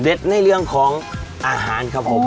ในเรื่องของอาหารครับผม